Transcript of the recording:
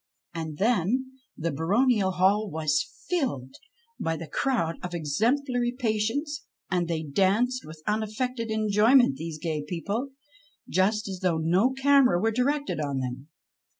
And then the baronial hall was filled by the crowd of exemplary patience and they danced with unaffected enjoyment, these gay people, just as though no camera were directed on them.